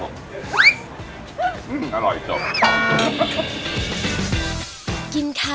สวัสดีครับ